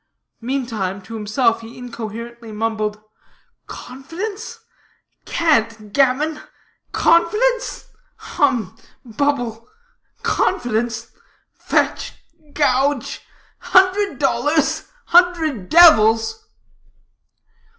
Meantime, to himself he incoherently mumbled: "Confidence? Cant, gammon! Confidence? hum, bubble! Confidence? fetch, gouge! Hundred dollars? hundred devils!"